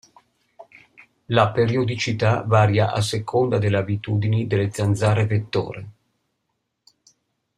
La periodicità varia a seconda delle abitudini delle zanzare vettore.